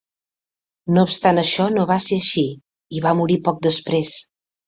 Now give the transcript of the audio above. No obstant això, no va ser així, i va morir poc després.